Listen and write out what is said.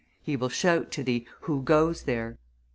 "He will shout to thee, 'Who goes there?